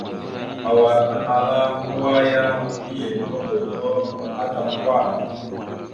Hwar ahala hwa ya, mbiyez toŋgov no atam Kwal.